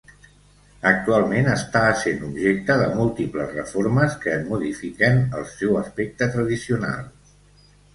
Actualment està essent objecte de múltiples reformes que en modifiquen el seu aspecte tradicional.